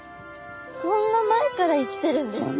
そんな前から生きてるんですか？